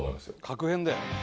「確変だよ」